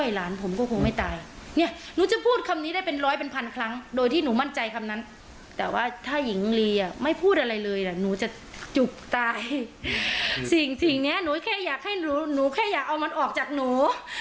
หนูแค่อยากเอามันออกจากหนู